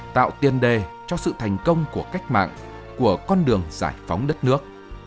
tạo tiền đề cho sự thành công của cách mạng của con đường giải phóng đất nước